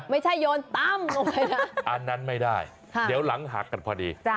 โยนตั้มลงไปนะอันนั้นไม่ได้เดี๋ยวหลังหักกันพอดี